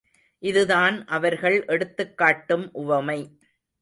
இதுதான் அவர்கள் எடுத்துக்காட்டும் உவமை.